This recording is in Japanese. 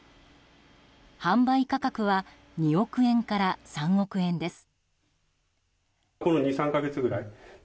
販売価格は２億円から３億円です。